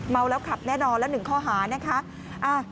เมาแล้วขับแน่นอนแล้ว๑ข้อหานะคะ